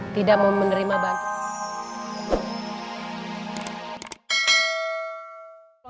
tidak mau menerima bantuan